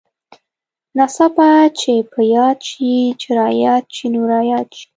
ناڅاپه چې په ياد شې چې راياد شې نو راياد شې.